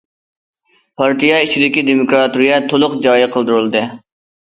پارتىيە ئىچىدىكى دېموكراتىيە تولۇق جارى قىلدۇرۇلدى.